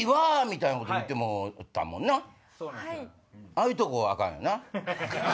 ああいうとこアカンよな。